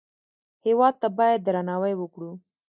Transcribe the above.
هېواد ته باید درناوی وکړو